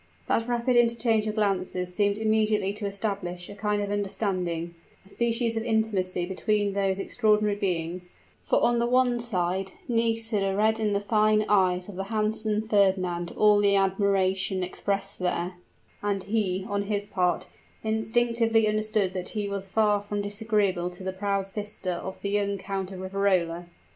That rapid interchange of glances seemed immediately to establish a kind of understanding a species of intimacy between those extraordinary beings; for on the one side, Nisida read in the fine eyes of the handsome Fernand all the admiration expressed there, and he, on his part, instinctively understood that he was far from disagreeable to the proud sister of the young Count of Riverola.